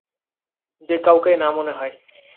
যে কাউকেই না মনে হয়।